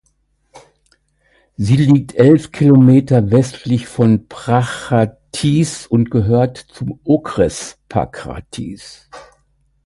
Sie liegt elf Kilometer westlich von Prachatice und gehört zum Okres Prachatice.